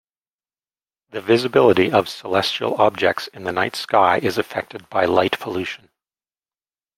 The visibility of celestial objects in the night sky is affected by light pollution.